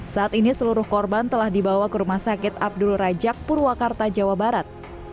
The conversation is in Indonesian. saat ini seluruh korban telah dibawa ke rumah sakit abdul rajak purwakarta jawa barat